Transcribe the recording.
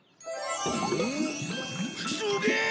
すげえ！